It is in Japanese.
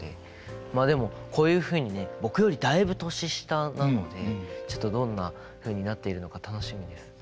まあでもこういうふうにね僕よりだいぶ年下なのでちょっとどんなふうになっているのか楽しみです。